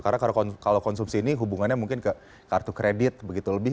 karena kalau konsumsi ini hubungannya mungkin ke kartu kredit begitu lebih